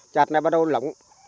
chạt này bắt đầu lỏng